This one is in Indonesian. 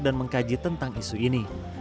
dan mengkaji tentang isu ini